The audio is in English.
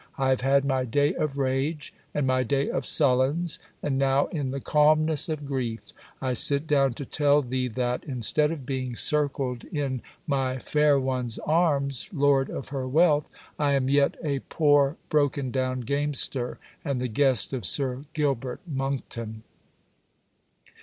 I have had my day of rage; and my day of sullens; and now, in the calmness of grief, I sit down to tell thee that, instead of being circled in my fair one's arms lord of her wealth, I am yet a poor broken down gamester, and the guest of Sir Gilbert Monckton.